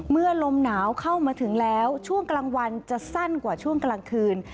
ลมหนาวเข้ามาถึงแล้วช่วงกลางวันจะสั้นกว่าช่วงกลางคืน